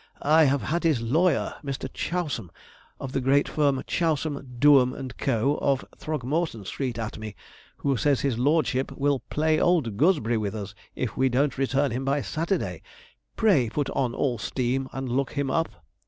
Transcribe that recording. I have had his lawyer, Mr. Chousam, of the great firm of Chousam, Doem, and Co., of Throgmorton Street, at me, who says his lordship will play old gooseberry with us if we don't return him by Saturday. Pray put on all steam, and look him up.'